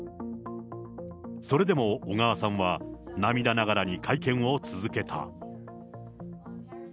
それでも小川さんは涙ながらに会見を続けた。